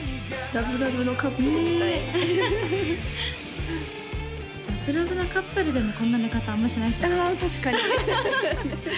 ラブラブなカップルでもこんな寝方あんましないですよね？